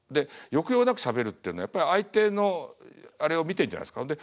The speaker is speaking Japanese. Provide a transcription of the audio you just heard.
抑揚なくしゃべるっていうのはやっぱり相手のあれを見てんじゃないっすか。